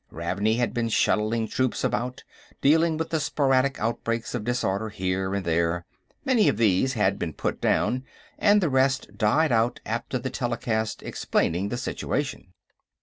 Ravney had been shuttling troops about, dealing with the sporadic outbreaks of disorder here and there: many of these had been put down, and the rest died out after the telecast explaining the situation.